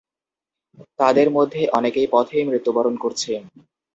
তাদের মধ্যে অনেকে পথেই মৃত্যুবরণ করছে।